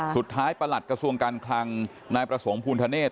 ประหลัดกระทรวงการคลังนายประสงค์ภูณธเนธ